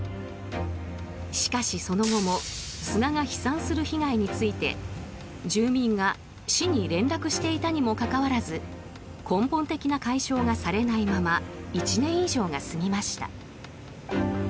しかし、その後も砂が飛散する被害について住民が市に連絡していたにもかかわらず根本的な解消がされないまま１年以上が過ぎました。